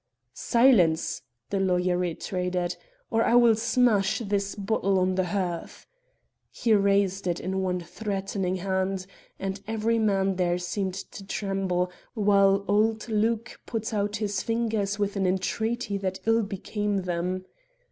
"Silence!" the lawyer reiterated, "or I will smash this bottle on the hearth." He raised it in one threatening hand and every man there seemed to tremble, while old Luke put out his long fingers with an entreaty that ill became them.